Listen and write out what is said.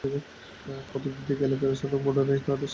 প্রথম দিন থেকেই এলাকার সাধারণ ভোটাররা তাঁকে সেলামি দিতে শুরু করে।